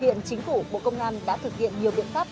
hiện chính phủ bộ công an đã thực hiện nhiều biện pháp